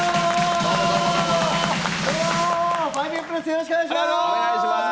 よろしくお願いします。